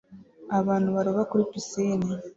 Abantu baroba kuri piscine